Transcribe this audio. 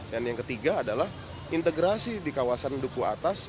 dan yang ketiga adalah integrasi di kawasan duko atas